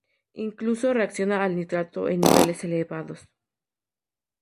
Incluso reacciona al nitrato en niveles elevados.